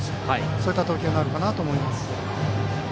そういった投球になるかなと思います。